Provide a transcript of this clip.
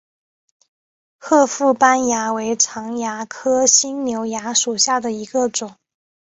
褐腹斑蚜为常蚜科新瘤蚜属下的一个种。